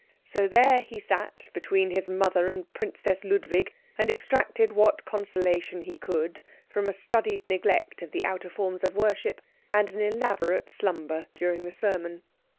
So there he sat, between his mother and Princess Ludwig, and extracted what consolation he could from a studied neglect of the outer forms of worship and an elaborate slumber during the sermon.